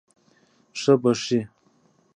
ښه به شې.